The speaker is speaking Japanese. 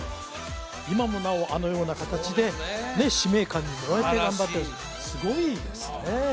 今もなおあのような形で使命感に燃えて頑張ってらっしゃるすごいですね